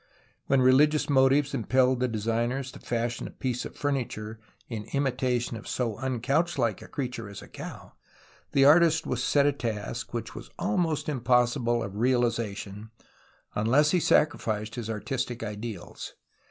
Wlien religious motives impelled the designers to fashion a piece of furniture in imitation of so uncouchlike a creature as a cow, the artist was set a task which was almost impossible of realization unless he sacrificed his artistic ideals.